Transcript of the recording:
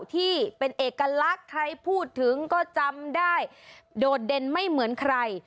ที่เป็นเอกลักษณ์ใครพูดถึงก็จำได้โดดเด่นไม่เหมือนใคร